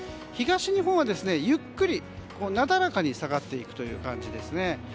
東日本は、ゆっくりなだらかに下がっていく感じですね。